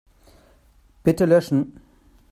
Bitte löschen.